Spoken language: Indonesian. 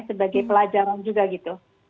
sebagai pelajaran juga gitu